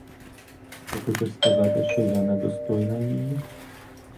Ти хочеш сказати, що я не достойна її?